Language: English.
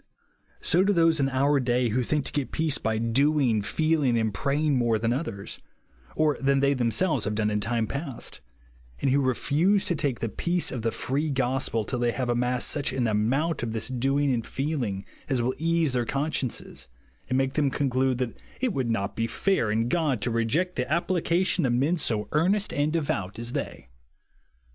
So do those in our day who think to get peace by doing, feeling, and praying more than others, ct than they themselves have done in time past ; and who refuse to take the peace of the free gospel till they have amassed such an amount of this doing and feeling as will ease their consciences, and make them conclude that it would not be fair in God to reject the application of men so earnest and devout as they.